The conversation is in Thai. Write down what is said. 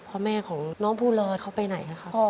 พ่อแม่ของน้องภูลอยเขาไปไหนครับ